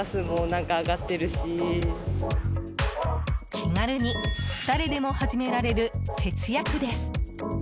気軽に誰でも始められる節約です。